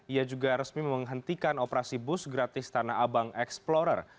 ia juga resmi menghentikan operasi bus gratis tanah abang explorer